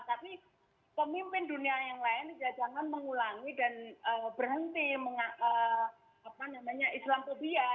tapi pemimpin dunia yang lain ya jangan mengulangi dan berhenti islamopia